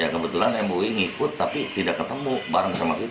kebetulan mui ngikut tapi tidak ketemu bareng sama kita